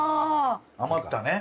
余ったね。